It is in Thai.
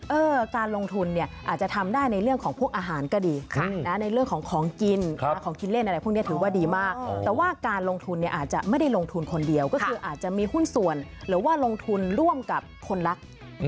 การลงทุนเนี่ยอาจจะทำได้ในเรื่องของพวกอาหารก็ดีในเรื่องของของกินของกินเล่นอะไรพวกนี้ถือว่าดีมากแต่ว่าการลงทุนเนี่ยอาจจะไม่ได้ลงทุนคนเดียวก็คืออาจจะมีหุ้นส่วนหรือว่าลงทุนร่วมกับคนรัก